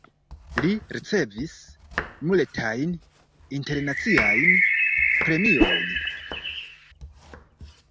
Li ricevis multajn internaciajn premiojn.